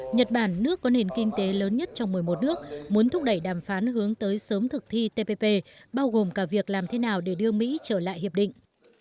nhật bản nước có nền kinh tế lớn nhất trong một mươi một nước muốn thúc đẩy đàm phán hướng tới sớm thực thi tpp bao gồm cả việc làm thế nào để đưa mỹ trở lại hiệp định